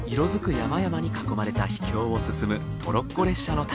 山々に囲まれた秘境を進むトロッコ列車の旅。